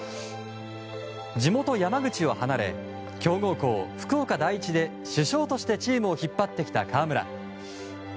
地元・山口を離れ強豪校、福岡第一で主将としてチームを引っ張ってきた河村。